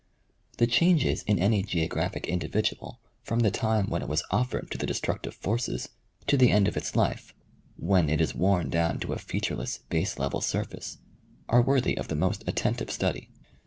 The changes in any geographic individual from the time when it was offered to th e destructive forces to the end of its life, when 20 National GeografJdG Magazine. it is worn down to a featureless base level surface, are worthy of the most attentive study.